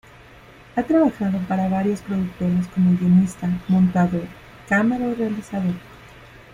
Ha trabajado para varias productoras como guionista, montador, cámara o realizador.